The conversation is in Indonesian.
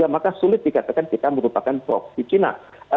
maka sulit dikatakan kita merupakan voksi cina